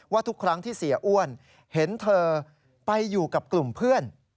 ทุกครั้งที่เสียอ้วนเห็นเธอไปอยู่กับกลุ่มเพื่อน